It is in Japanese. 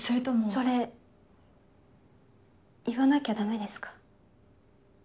それ言わなきゃダメですか？